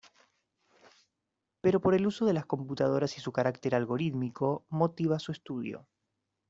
Pero por el uso de las computadoras y su carácter algorítmico, motiva su estudio.